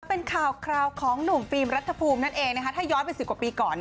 เป็นข่าวคราวของหนุ่มฟิล์มรัฐภูมินั่นเองถ้าย้อนไป๑๐กว่าปีก่อน